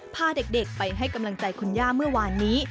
พาเด็กไปให้กำลังใจคุณย่าเมื่อวานนี้